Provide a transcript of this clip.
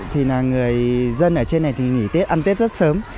thì là người dân ở trên này thì nghỉ tết ăn tết rất sớm